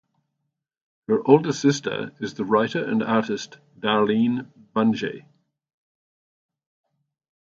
Her older sister is the writer and artist Darleen Bungey.